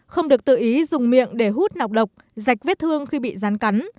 không được tự ý dùng miệng để hút nọc độc dạch vết thương khi bị rắn cắn